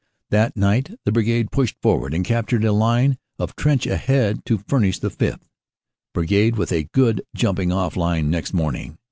That night the Brigade pushed forward and captured a line of trench ahead to furnish the 5th. Brigade with a good jump ing off line next morning.